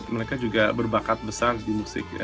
mereka juga berbakat besar di musik ya